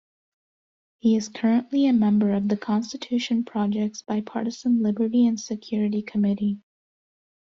He is currently a member of the Constitution Project's bipartisan Liberty and Security Committee.